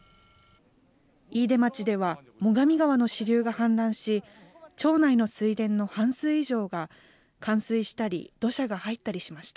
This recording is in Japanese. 飯豊町では最上川の支流が氾濫し、町内の水田の半数以上が冠水したり土砂が入ったりしました。